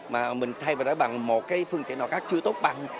mà mình thay vào đó bằng một cái phương tiện nào khác chưa tốt bằng